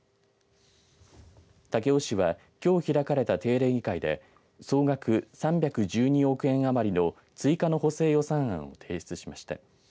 武雄市はきょう開かれた定例議会で総額３１２億円余りの追加の補正予算案を提出しました。